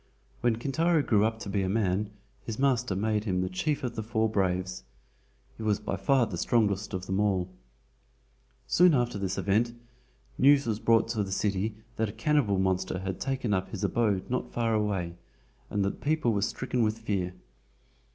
When Kintaro grew up to be a man his master made him the Chief of the Four Braves. He was by far the strongest of them all. Soon after this event, news was brought to the city that a cannibal monster had taken up his abode not far away and that people were stricken with fear.